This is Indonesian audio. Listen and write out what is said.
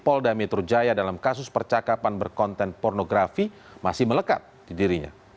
polda metro jaya dalam kasus percakapan berkonten pornografi masih melekat di dirinya